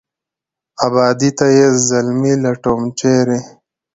آبادۍ ته یې زلمي لټوم ، چېرې ؟